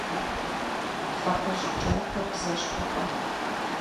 ЛӀыхъужь и джатэ бзэщхъуркъым.